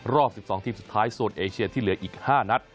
รอบ๑๒ทีมสุดท้ายโซนเอเชียที่เหลืออีก๕นัด